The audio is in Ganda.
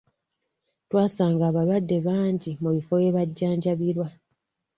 Twasanga abalwadde bangi mu bifo we bajjanjabira.